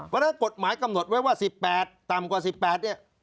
ว่าถ้ากฎหมายกำหนดไว้ว่า๑๘ต่ำกว่า๑๘เนี่ย